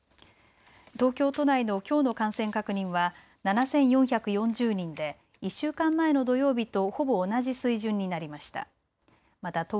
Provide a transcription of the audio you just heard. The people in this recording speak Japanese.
東京都内のきょうの感染確認は７４４０人で１週間前の土曜日とほぼ同じ水準になりました。